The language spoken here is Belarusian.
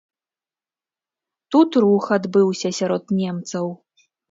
Тут рух адбыўся сярод немцаў.